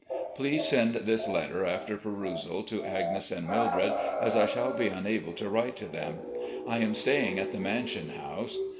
Please send this letter after perusal to Agnes and Mildred, as I shall be unable to write to them. I am staying at the Mansion House.